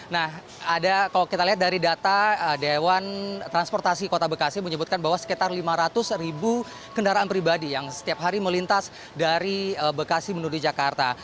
nah ada kalau kita lihat dari data dewan transportasi kota bekasi menyebutkan bahwa sekitar lima ratus ribu kendaraan pribadi yang setiap hari melintas dari bekasi menuju jakarta